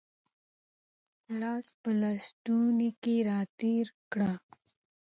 لاس په لستوڼي کې را تېر کړه